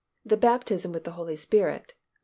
THE BAPTISM WITH THE HOLY SPIRIT.